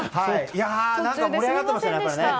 盛り上がっていましたね。